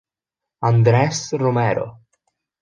Andrés Romero